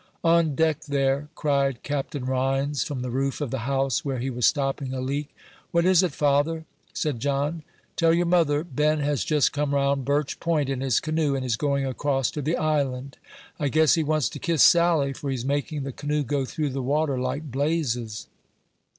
"On deck there!" cried Captain Rhines, from the roof of the house, where he was stopping a leak. "What is it, father?" said John. "Tell your mother Ben has just come round Birch Point in his canoe, and is going across to the island; I guess he wants to kiss Sally, for he's making the canoe go through the water like blazes."